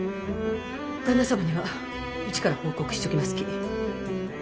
旦那様にはうちから報告しちょきますき。